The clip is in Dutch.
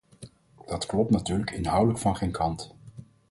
Dat klopt natuurlijk inhoudelijk van geen kant.